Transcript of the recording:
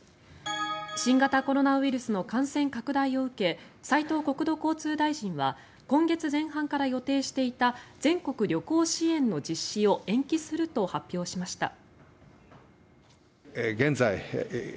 新型コロナウイルスの感染拡大を受け斉藤国土交通大臣は今月前半から予定していた全国旅行支援の実施を延期すると発表しました。